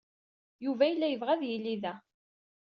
Yuba yella yebɣa ad yili da.